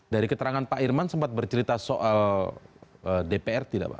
dari keterangan pak irman sempat bercerita soal dpr tidak pak